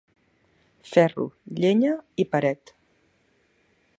Ferro, llenya i paret.